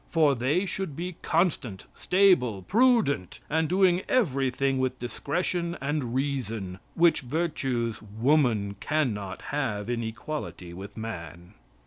For they should be constant, stable, prudent, and doing everything with discretion and reason, which virtues woman can not have in equality with man."